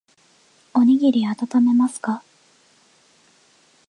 おにぎりあたためますか。